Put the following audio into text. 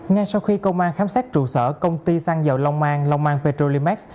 ngay sau khi công an khám xét trụ sở công ty xăng dầu long an long an petrolimax